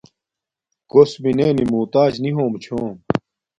کوس مینے نی موتاج نی ہوم چھوم